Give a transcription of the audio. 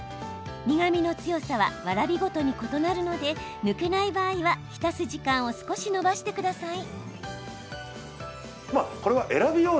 苦みの強さはわらびごとに異なるので抜けない場合は、浸す時間を少し延ばしてください。